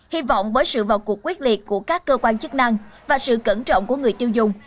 hy vọng với sự vào cuộc quyết liệt của các cơ quan chức năng và sự cẩn trọng của người tiêu dùng